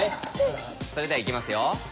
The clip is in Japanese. それではいきますよ。